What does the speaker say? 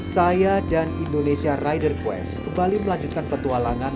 saya dan indonesia rider quest kembali melanjutkan petualangan